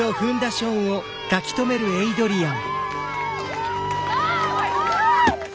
ショーン！